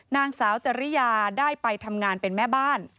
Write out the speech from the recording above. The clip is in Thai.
นางสาวจริยาได้ไปทำงานเป็นแม่บ้าน